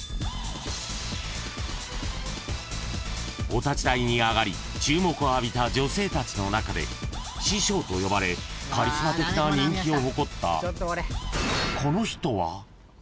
［お立ち台に上がり注目を浴びた女性たちの中で「師匠」と呼ばれカリスマ的な人気を誇ったこの人は？］